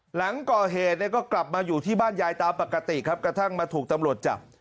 หลังก่อเหตุเนี่ยก็กลับมาอยู่ที่บ้านยายตามปกติครับกระทั่งมาถูกตำรวจจับ